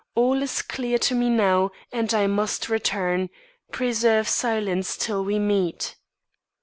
All is clear to me now, and I must return. Preserve silence till we meet."